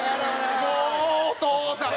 澤部：もう、お父さん！